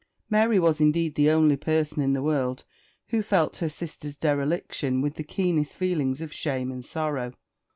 Mary was indeed the only person in the world who felt her sister's dereliction with the keenest feelings of shame and sorrow.